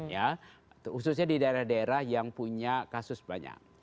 ya khususnya di daerah daerah yang punya kasus banyak